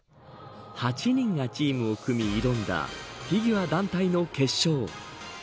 ８人がチームを組み挑んだフィギュア団体の決勝。